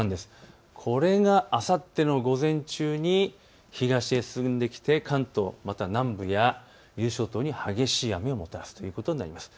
これがあさっての午前中に東へ進んできて関東また南部や伊豆諸島に激しい雨をもたらすということになります。